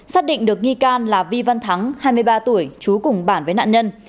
xác định được nghi can là vi văn thắng hai mươi ba tuổi trú cùng bản với nạn nhân